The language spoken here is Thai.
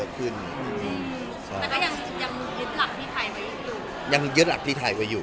จริงจริงแต่ก็ยังยึดหลักที่ไทยไว้อยู่ยังยึดหลักที่ไทยไว้อยู่